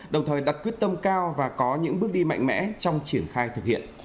đồng thời đặt quyết tâm cao và có những bước đi mạnh mẽ trong triển khai thực hiện